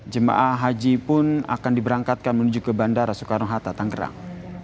jemaah haji pun akan diberangkatkan menuju ke bandara soekarno hatta tanggerang